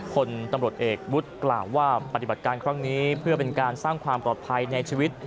คนตำรวจเอกวุฒิกล่าวว่าปฏิบัติการครั้งนี้เพื่อเป็นการสร้างความปลอดภัยในชีวิต